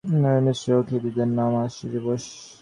শুদ্ধ হোক, মিশ্র হোক, হিঁদুদের নাম আর্য, বস্।